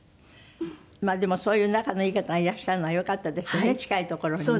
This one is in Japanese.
まあでもそういう仲のいい方がいらっしゃるのはよかったですね近いところでね。